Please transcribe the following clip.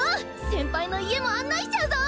先輩の家も案内しちゃうぞ！